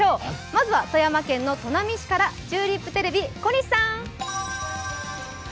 まずは富山県の砺波市からチューリップテレビ・小西さん。